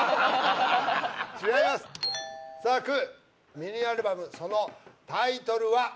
ミニアルバムそのタイトルは？